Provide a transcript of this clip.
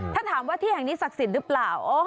ถ้าถามว่าที่แห่งนี้ศักดิ์สิทธิ์หรือเปล่า